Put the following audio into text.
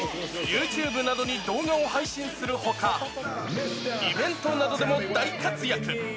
ＹｏｕＴｕｂｅなどに動画を配信するほか、イベントなどでも大活躍。